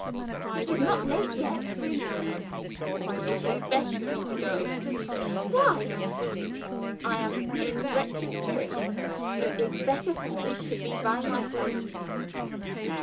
"It is not late yet. "It is best for me to go." "Why?" "I am in wretched spirits. It is better for me to be by myself."